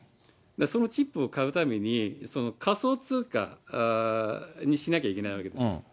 そのチップを買うために、仮想通貨にしなきゃいけないわけです。